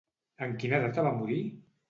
En quina data va morir?